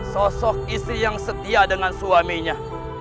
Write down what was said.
sosok istri yang setia dengan suaminya